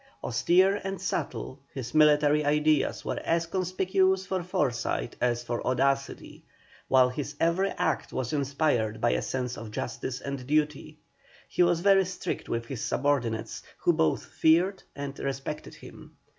Austere and subtile, his military ideas were as conspicuous for foresight as for audacity, while his every act was inspired by a sense of justice and duty. He was very strict with his subordinates, who both feared and respected him.